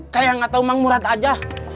kayak gak tau mang murad aja